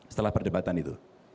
setelah perdebatan itu